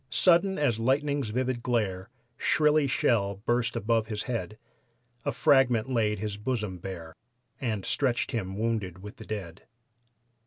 Sudden as lightning's vivid glare Shrilly shell burst above his head; A fragment laid his bosom bare And stretched him wounded with the dead.